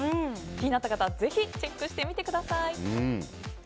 気になった方はぜひチェックしてみてください。